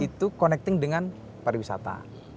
itu connecting dengan pariwisata